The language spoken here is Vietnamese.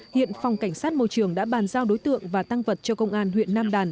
hiện phòng cảnh sát môi trường đã bàn giao đối tượng và tăng vật cho công an huyện nam đàn